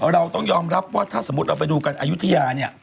เราต้องยอมรับว่าถ้าสมมุติเราไปดูกันอายุทยาเนี่ย